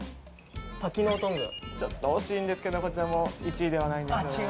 惜しいんですけどこちらも１位ではないんですよね。